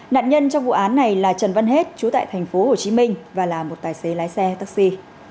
nạn nhân trong vụ án này là trần văn hết chú tại tp hồ chí minh và là một tài xế lái xe taxi